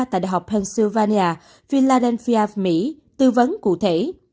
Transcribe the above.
tại đại học pennsylvania philadelphia mỹ tư vấn cụ thể